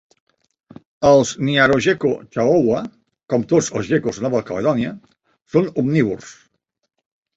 Els "Mniarogekko chahoua", com tots els gecos de Nova Caledonia, són omnívors.